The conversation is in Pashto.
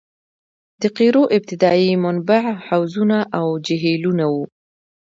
د قیرو ابتدايي منبع حوضونه او جهیلونه وو